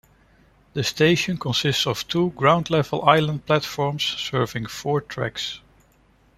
The station consists of two ground-level island platforms serving four tracks.